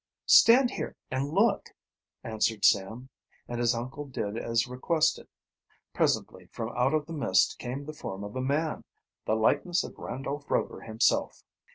"Stand here and look," answered Sam, and his uncle did as requested. Presently from out of the mist came the form of a man the likeness of Randolph Rover himself!